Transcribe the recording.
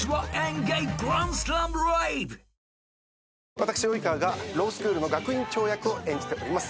私及川がロースクールの学院長役を演じております。